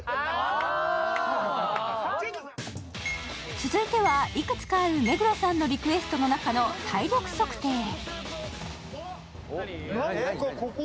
続いてはいくつかある目黒さんのリクエストの中の体力測定へ。